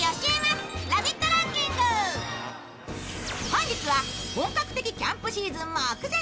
本日は本格的キャンプシーズン目前。